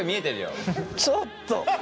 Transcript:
ちょっと。